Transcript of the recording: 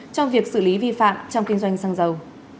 trong việc xử lý vi phạm trong kinh doanh xăng dầu